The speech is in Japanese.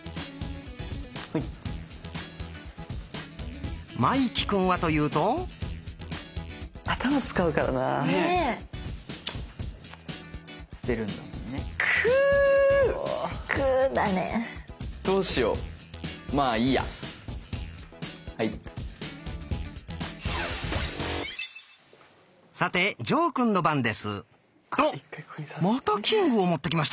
おっまた「キング」を持ってきました。